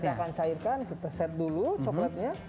karena kita akan cairkan kita set dulu coklatnya